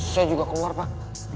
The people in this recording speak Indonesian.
saya juga keluar pak